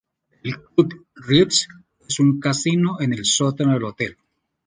El Club Ritz es un casino en el sótano del hotel.